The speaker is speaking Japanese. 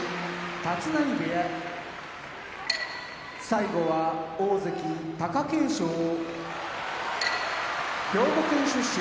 立浪部屋大関・貴景勝兵庫県出身